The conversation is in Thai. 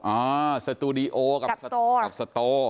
อ่าสตูดิโอกับสโตร์